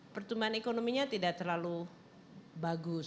pertumbuhan ekonominya tidak terlalu bagus